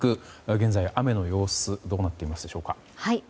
現在、雨の様子はどうなっていますでしょうか。